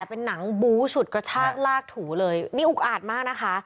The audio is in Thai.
เป็นหนังบูฉุดกระชากลากถูเลยนี่อุกอาดมากนะคะ